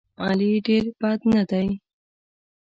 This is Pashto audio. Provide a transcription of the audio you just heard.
علي ډېر بد نه دی.